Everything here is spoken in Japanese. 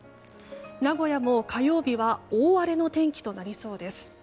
名古屋も火曜日は大荒れの天気となりそうです。